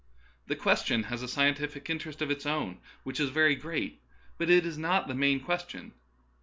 The question has a scientific interest of its own which is very great, but it is not the main question.